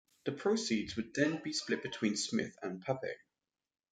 The proceeds would then be split between Smith and Pappe.